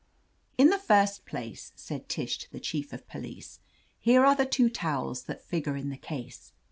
"In the first place," said Tish, to the Chief of Police, "here are the two towels that figure in the case.